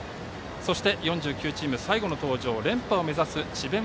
そして、４９チーム最後の登場連覇を目指す智弁